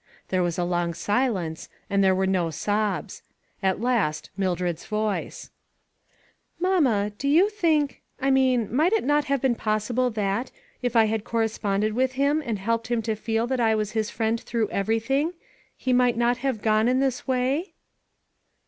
There was a long silence — and there were no sobs. At last Mildred's voice :" Mamma, do you think — I mean, might it not have been possible that, if I had corresponded with him, and helped him to feel that I was his friend through every thing, he might not have gone in this way?"